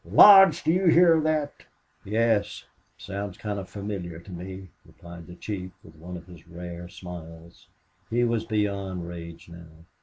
Lodge, do you hear that?" "Yes. Sounds kind of familiar to me," replied the chief, with one of his rare smiles. He was beyond rage now.